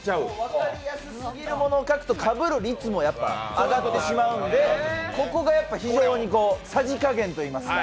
分かりやすすぎるものを書くとかぶる率も上がってしまうのでここが非常にさじかげんといいますか。